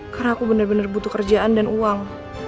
karena aku bener bener butuh kerjaan dan uang